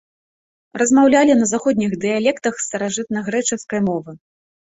Размаўлялі на заходніх дыялектах старажытнагрэчаскай мовы.